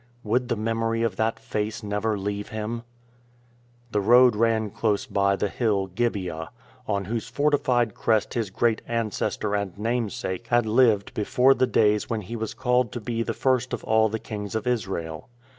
Would the memory of that face never leave him ? The road ran close by the hill Gibeah, on whose fortified crest his great ancestor and namesake had lived before the days when he was called to be the first of all the kings of Israel.